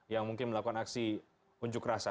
yang mungkin melakukan aksi unjuk rasa